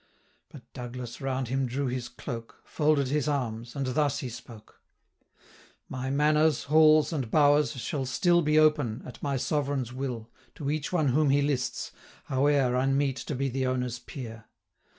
But Douglas round him drew his cloak, Folded his arms, and thus he spoke: 'My manors, halls, and bowers, shall still 400 Be open, at my Sovereign's will, To each one whom he lists, howe'er Unmeet to be the owner's peer.